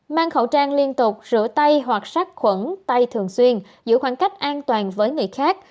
mang khẩu trang liên tục rửa tay hoặc sát khuẩn tay thường xuyên giữ khoảng cách an toàn với người khác